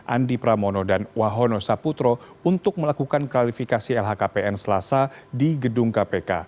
andi pramono dan wahono saputro untuk melakukan klarifikasi lhkpn selasa di gedung kpk